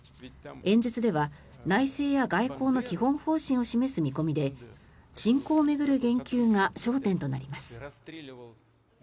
演説では内政や外交の基本方針を示す見込みで侵攻を巡る言及が焦点となります。